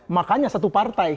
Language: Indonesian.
makanya satu partai